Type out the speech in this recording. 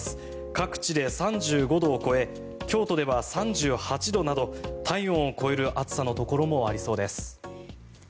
各地で３５度を超え京都では３８度など体温を超える暑さのところもありそうです。